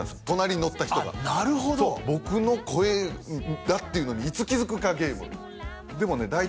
隣に乗った人があっなるほど僕の声だっていうのにいつ気づくかゲームでもね